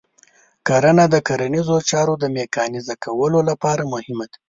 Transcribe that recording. کرنه د کرنیزو چارو د میکانیزه کولو لپاره مهمه ده.